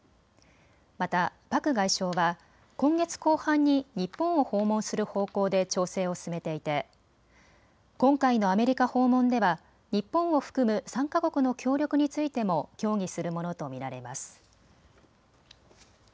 またパク外相は今月後半に日本を訪問する方向で調整を進めていて、今回のアメリカ訪問では日本を含む３か国の協力についても協議するものと見られます。